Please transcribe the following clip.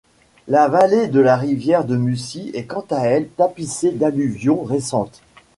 La vallée de la rivière de Mussy est quant à elle tapissée d'alluvions récentes.